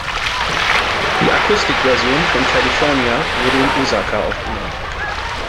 Die Akustikversion von "California" wurde in Osaka aufgenommen.